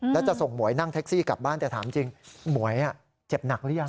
แล้วจะส่งหวยนั่งแท็กซี่กลับบ้านแต่ถามจริงหมวยเจ็บหนักหรือยัง